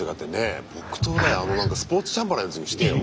あのなんかスポーツチャンバラのやつにしてよ。